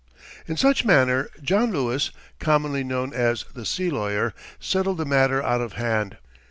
In such manner John Lewis, commonly known as the "sea lawyer," settled the matter out of hand.